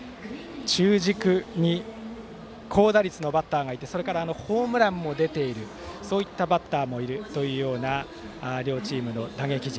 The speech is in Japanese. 中軸に高打率のバッターがいてそれからホームランも出ているそういったバッターもいるという両チームの打撃陣。